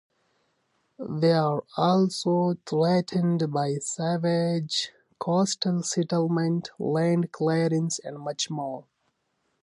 They are also threatened by sewage, coastal settlement, land clearance and much more.